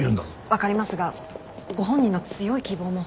わかりますがご本人の強い希望も。